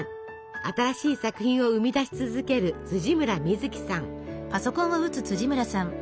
新しい作品を生み出し続ける村深月さん。